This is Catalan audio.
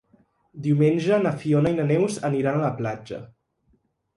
Diumenge na Fiona i na Neus aniran a la platja.